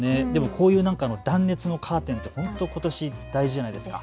こういう断熱のカーテンって本当ことし、大事じゃないですか。